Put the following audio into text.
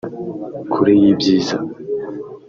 Kure y'ibyiza